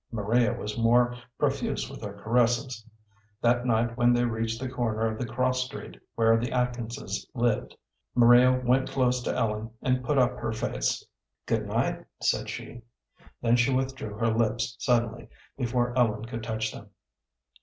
Maria was more profuse with her caresses. That night when they reached the corner of the cross street where the Atkinses lived, Maria went close to Ellen and put up her face. "Good night," said she. Then she withdrew her lips suddenly, before Ellen could touch them.